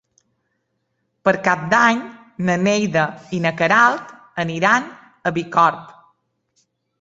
Per Cap d'Any na Neida i na Queralt aniran a Bicorb.